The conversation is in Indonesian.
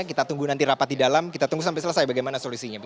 kita tunggu nanti rapat di dalam kita tunggu sampai selesai bagaimana solusinya